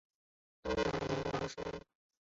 东南邻山王。